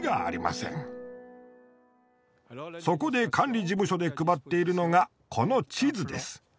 そこで管理事務所で配っているのがこの地図です。